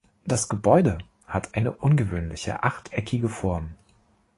Das Gebäude hat eine ungewöhnliche achteckige Form.